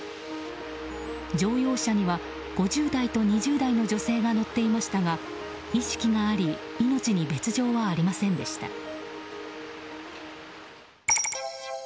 乗用車には５０代と２０代の女性が乗っていましたが意識があり命に別条はありませんでした。